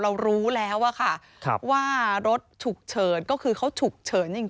เรารู้แล้วอะค่ะว่ารถฉุกเฉินก็คือเขาฉุกเฉินจริง